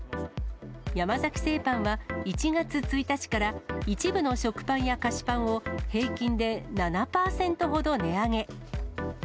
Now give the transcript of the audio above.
山崎製パンは１月１日から、一部の食パンや菓子パンを平均で７％ほど値上げ。